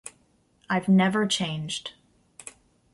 I've never changed.